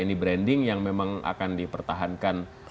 ini branding yang memang akan dipertahankan